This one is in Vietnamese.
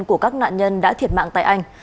của các nạn nhân đã thiệt mạng tại anh